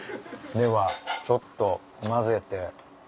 ではちょっと混ぜて。